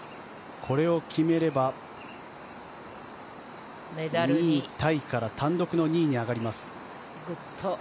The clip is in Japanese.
これを決めれば２位タイから単独の２位に上がります。